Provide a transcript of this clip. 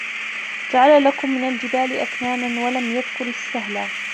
جَعَلَ لَكُمْ مِنْ الْجِبَالِ أَكْنَانًا وَلَمْ يَذْكُرْ السَّهْلَ